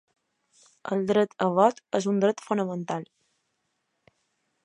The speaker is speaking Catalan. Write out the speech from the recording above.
El dret a vot és un dret fonamental.